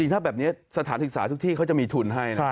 ถ้าแบบนี้สถานศึกษาทุกที่เขาจะมีทุนให้นะ